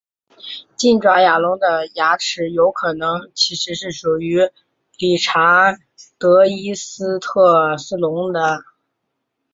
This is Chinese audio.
近爪牙龙的牙齿有可能其实是属于理查德伊斯特斯龙的。